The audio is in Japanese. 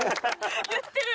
言ってる！